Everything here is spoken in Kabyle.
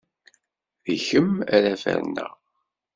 D kemm ara ferneɣ!